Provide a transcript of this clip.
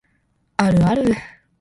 あるある